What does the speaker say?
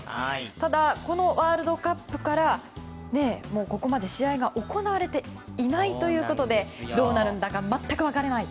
ただ、このワールドカップからここまで試合が行われていないということでどうなるんだか全く分かりません。